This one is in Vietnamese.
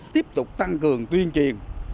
tiếp tục tăng cường tuyên truyền